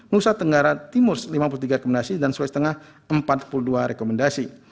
nusa tenggara timur lima puluh tiga rekomendasi dan sulawesi tengah empat puluh dua rekomendasi